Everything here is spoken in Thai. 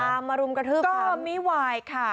ตามรุมกระทืบคำก็มิวายค่ะ